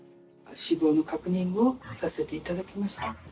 死亡の確認をさせていただきました。